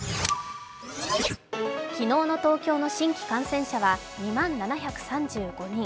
昨日の東京の新規感染者は２万７３５人。